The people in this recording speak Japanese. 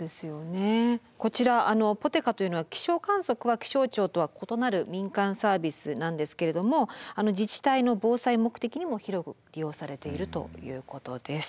こちらＰＯＴＥＫＡというのは気象観測は気象庁とは異なる民間サービスなんですけれども自治体の防災目的にも広く利用されているということです。